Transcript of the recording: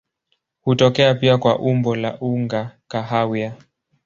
Hutokea pia kwa umbo la unga kahawia.